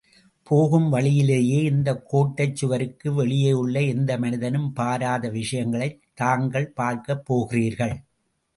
போகும் வழியிலேயே இந்தக் கோட்டைச் சுவருக்கு வெளியேயுள்ள எந்த மனிதனும் பாராத விஷயங்களைத் தாங்கள் பார்க்கப் போகிறீர்கள்.